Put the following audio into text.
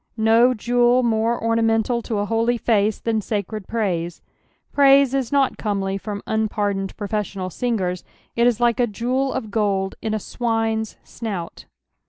No jewel more ornamental to a holy face than sacred praise, praise is not comely from unpardoned profes Monal singers ; it is like a jeweT of gold in a swiue's snout.